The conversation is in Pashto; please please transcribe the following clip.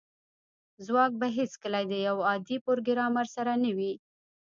ځواک به هیڅکله د یو عادي پروګرامر سره نه وي